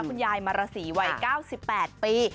คุณยายมารสีวัย๙๘ปี